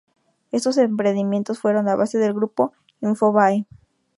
Estos emprendimientos fueron la base del Grupo Infobae.